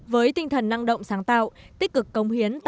với tinh thần năng động sáng tạo tích cực công hiến